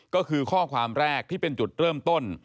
ก็คือข้อความแรกที่เป็นจุดเริ่มต้น